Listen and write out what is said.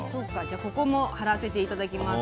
８番にも貼らせていただきます。